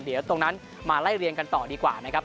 เดี๋ยวตรงนั้นมาไล่เรียงกันต่อดีกว่านะครับ